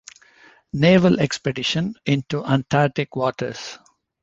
Naval expedition into Antarctic waters.